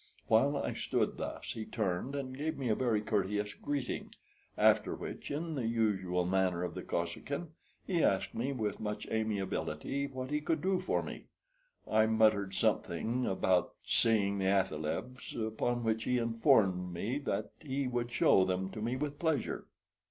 While I stood thus he turned and gave me a very courteous greeting, after which, in the usual manner of the Kosekin, he asked me with much amiability what he could do for me. I muttered something about seeing the athalebs, upon which he informed me that he would show them to me with pleasure.